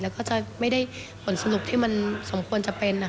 แล้วก็จะไม่ได้ผลสรุปที่มันสมควรจะเป็น